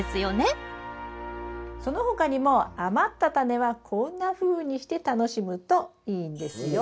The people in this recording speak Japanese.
その他にも余ったタネはこんなふうにして楽しむといいんですよ。